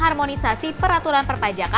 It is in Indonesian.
harmonisasi peraturan perpajakan